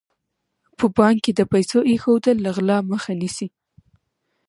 په بانک کې د پیسو ایښودل له غلا مخه نیسي.